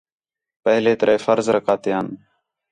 پہلے ترے فرض رکعتیان